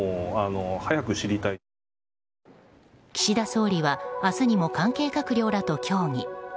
岸田総理は明日にも関係閣僚らと協議。